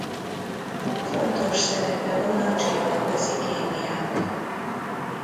Fontos szerepe van a csillagközi kémiában.